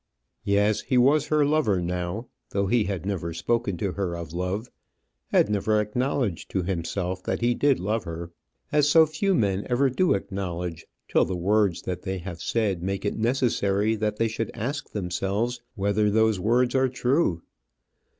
Yes, he was her lover now, though he had never spoken to her of love, had never acknowledged to himself that he did love her as so few men ever do acknowledge till the words that they have said make it necessary that they should ask themselves whether those words are true.